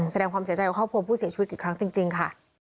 แสดงความเสียใจข้อพบผู้เสียชีวิตกี่ครั้งจริงค่ะ